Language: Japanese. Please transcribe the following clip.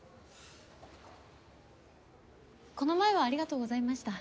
この前はありがとうございました。